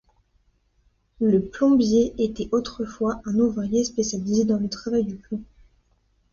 Le plombier était autrefois un ouvrier spécialisé dans le travail du plomb.